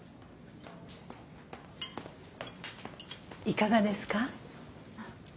いかがですか。